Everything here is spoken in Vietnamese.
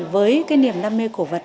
với cái niềm đam mê cổ vật